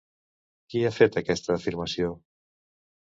Qui ha fet aquesta afirmació?